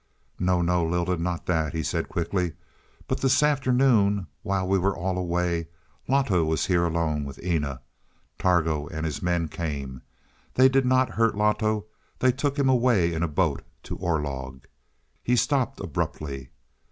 "No, no, Lylda, not that," he said quickly, "but this afternoon while we were all away Loto was here alone with Eena Targo with his men came. They did not hurt Loto; they took him away in a boat to Orlog." He stopped abruptly.